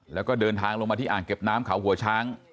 แล้วก็เดินทางลงมาที่อ่างเก็บน้ำเขาหัวช้าง